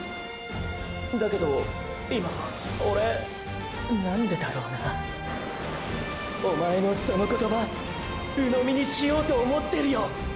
だけど今はオレ何でだろうなおまえのその言葉ーー鵜呑みにしようと思ってるよ！！